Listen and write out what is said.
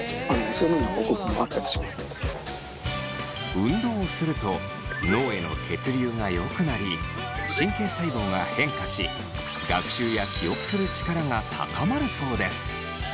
運動をすると脳への血流がよくなり神経細胞が変化し学習や記憶する力が高まるそうです。